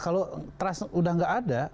kalau trust sudah tidak ada